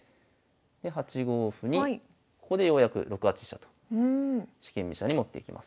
で８五歩にここでようやく６八飛車と四間飛車に持っていきます。